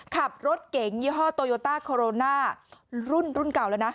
ขับรถเก๋งยี่ห้อโตโยต้าโคโรนารุ่นรุ่นเก่าแล้วนะ